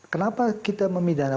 kenapa kita memidana